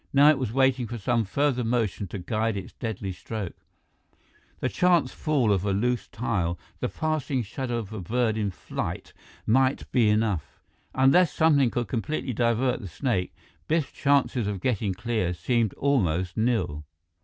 Now it was waiting for some further motion to guide its deadly stroke. The chance fall of a loose tile, the passing shadow of a bird in flight might be enough. Unless something could completely divert the snake, Biff's chances of getting clear seemed almost nil.